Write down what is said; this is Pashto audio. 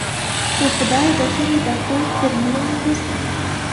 د خدای بښلي ډاکتر تر مړینې وروسته